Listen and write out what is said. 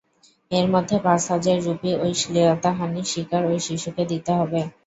এর মধ্যে পাঁচ হাজার রুপি ওই শ্লীলতাহানির শিকার ওই শিশুকে দিতে হবে।